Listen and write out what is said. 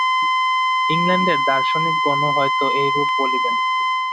ইংলণ্ডের দার্শনিকগণও হয়তো এইরূপই বলিবেন।